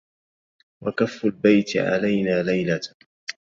وكف البيت علينا ليلة